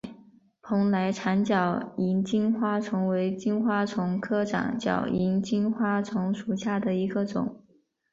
蓬莱长脚萤金花虫为金花虫科长脚萤金花虫属下的一个种。